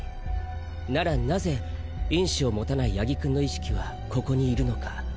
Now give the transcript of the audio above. なら何故因子を持たない八木くんの意識はここにいるのか。